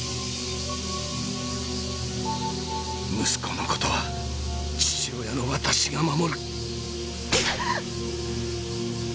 息子の事は父親の私が守る！